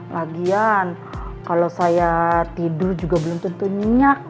lagian kalau saya tidur juga belum tentu nyinyak